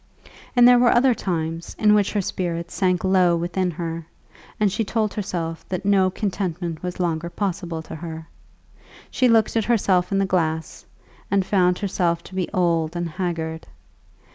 And there were other times, in which her spirits sank low within her, and she told herself that no contentment was any longer possible to her. She looked at herself in the glass, and found herself to be old and haggard.